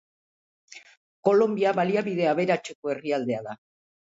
Kolonbia baliabide aberatseko herrialdea da.